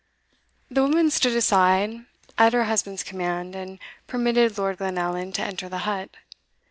The woman stood aside at her husband's command, and permitted Lord Glenallan to enter the hut.